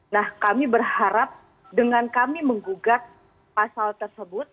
nah kami berharap dengan kami menggugat pasal tersebut